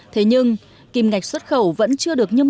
thế nhưng kim ngạch xuất khẩu vẫn chưa được nhâm mặt